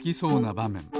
ばめん